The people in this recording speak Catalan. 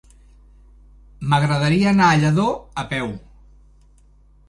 M'agradaria anar a Lladó a peu.